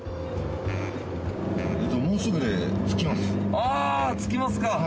あ着きますか！